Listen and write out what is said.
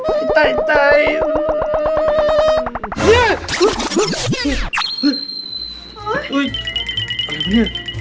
ตายตายตายตายตาย